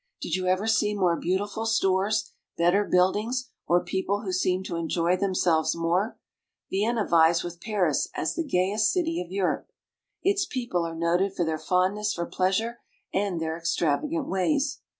Did you ever see more beautiful stores, better buildings, or people who seem to enjoy themselves more ? Vienna vies with Paris as the gayest city of Europe. Its people are noted for their fondness for pleasure and their extravagant ways.